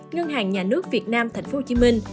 ngân hàng nhà nước việt nam thành phố hồ chí minh